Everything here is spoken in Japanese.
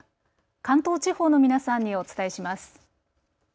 関東地方の皆さんにお伝えします。